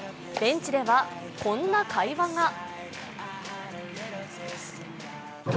ベンチでは、こんな会話が。